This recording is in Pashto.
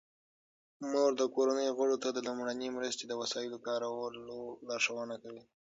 مور د کورنۍ غړو ته د لومړنۍ مرستې د وسایلو کارولو لارښوونه کوي.